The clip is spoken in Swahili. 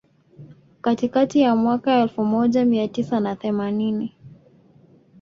Katikati ya mwaka elfu moja mia tisa na themanini